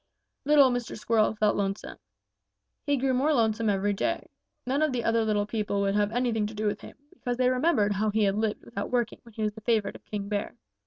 "Little Mr. Squirrel felt lonesome. He grew more lonesome every day. None of the other little people would have anything to do with him because they remembered how he had lived without working when he was the favorite of King Bear.